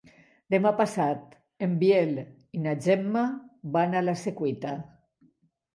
Demà passat en Biel i na Gemma van a la Secuita.